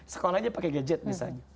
sekolahnya pakai gadget misalnya